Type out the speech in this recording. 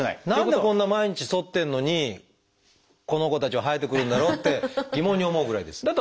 何でこんな毎日そってるのにこの子たちは生えてくるんだろうって疑問に思うぐらいです。